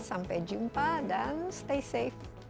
sampai jumpa dan stay safe